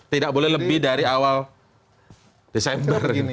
tidak boleh lebih dari awal desember ini